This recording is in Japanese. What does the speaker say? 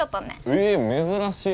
え珍しい！